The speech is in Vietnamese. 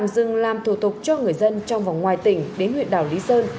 dừng làm thủ tục cho người dân trong và ngoài tỉnh đến huyện đảo lý sơn